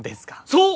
そう。